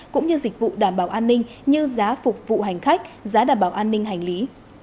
cũng như dịch vụ đảm bảo an ninh như giá phục vụ hành khách giá đảm bảo an ninh hành lý